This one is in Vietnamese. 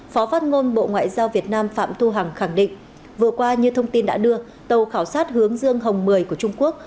phó phát ngôn bộ ngoại giao việt nam phạm thu hằng khẳng định vừa qua như thông tin đã đưa tàu khảo sát hướng dương hồng mười của trung quốc